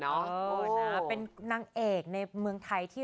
เรายังชอบการร้องเพลง